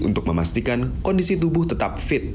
untuk memastikan kondisi tubuh tetap fit